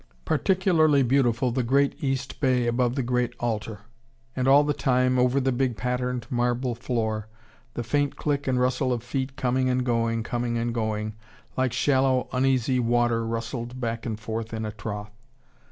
Particularly beautiful the great east bay, above the great altar. And all the time, over the big patterned marble floor, the faint click and rustle of feet coming and going, coming and going, like shallow uneasy water rustled back and forth in a trough.